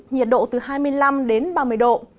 nhiệt độ từ hai mươi năm đến ba mươi độ